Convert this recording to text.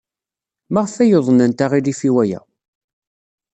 Maɣef ay uḍnent aɣilif i waya?